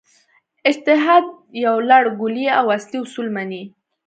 اجتهاد یو لړ کُلي او اصلي اصول مني.